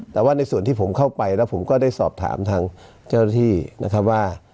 แต่ว่าในส่วนที่ผมเข้าไปแล้วผมก็ได้สอบถามทางเจ้าหน้าที่นะครับว่า